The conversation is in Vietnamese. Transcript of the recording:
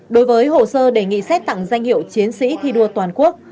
đối với hồ sơ đề nghị xét tặng danh hiệu chiến sĩ thi đua toàn quốc